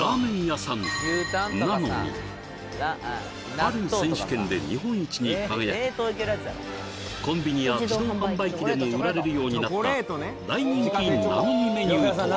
ある選手権で日本一に輝きコンビニや自動販売機でも売られるようになった大人気なのにメニューとは？